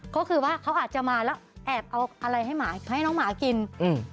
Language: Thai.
ก็คือว่าเขาอาจจะมาแล้วแอบเอาอะไรให้หมาให้น้องหมากินอืม